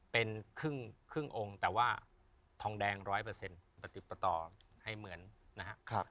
เป็นครึ่งองค์แต่ว่าทองแดง๑๐๐ประติดประต่อให้เหมือนนะครับ